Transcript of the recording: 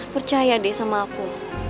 percaya deh sama aku